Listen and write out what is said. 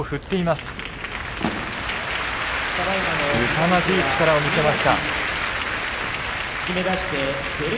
すさまじい力を見せました。